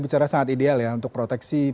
bicara sangat ideal ya untuk proteksi